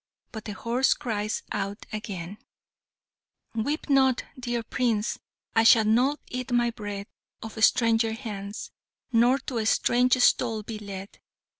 But the horse cried out again, "Weep not, dear Prince! I shall not eat my bread Of stranger hands, nor to strange stall be led.